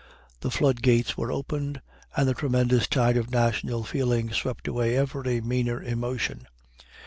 The flood gates were opened, and the tremendous tide of national feeling swept away every meaner emotion.